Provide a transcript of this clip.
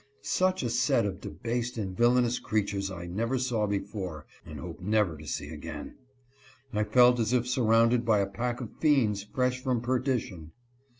Such a set of debased and villainous creatures I never saw before and hope never to see again. I felt as if surrounded by a pack of fiends fresh from perdition.